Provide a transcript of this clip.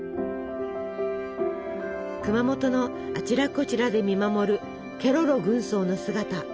熊本のあちらこちらで見守るケロロ軍曹の姿。